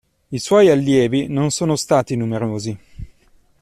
I suoi allievi non sono stati numerosi.